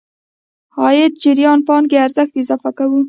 عايدي جريان پانګې ارزښت اضافه کوو.